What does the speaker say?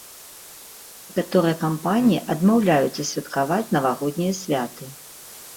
Некаторыя кампаніі адмаўляюцца святкаваць навагоднія святы.